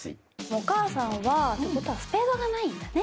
お母さんはってことはスペードがないんだね。